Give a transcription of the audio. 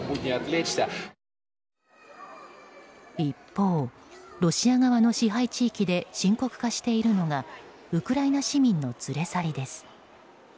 一方、ロシア側の支配地域で深刻化しているのがウクライナ市民の連れ去りです。